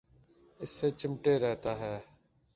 اس سے چمٹے رہتا ہے۔